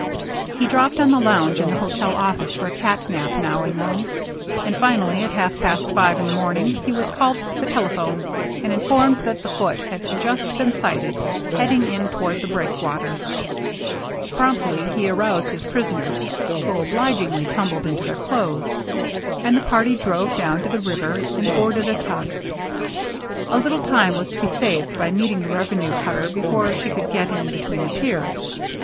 He dropped on the lounge in the hotel office for a cat nap now and then. And finally, at half past five in the morning, he was called to the telephone and informed that the Foote had just been sighted heading in toward the breakwater. •232 THE MERRr ANNE Promptly he aroused his prisoners, who obligingly tumbled into their clothes ; and the party drove down to the river and boarded a tug. A little time was to be saved by meeting the revenue cutter before she could get in between the piers.